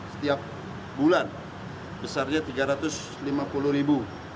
setiap bulan besarnya rp tiga ratus lima puluh